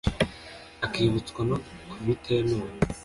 akibutswa ko bitemewe